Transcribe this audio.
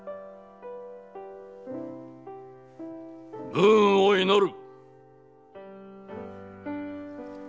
武運を祈る！